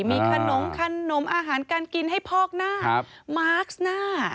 มีขนมขนมอาหารการกินให้พอกหน้ามาร์คหน้า